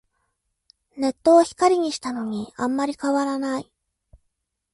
ネットを光にしたのにあんまり変わらない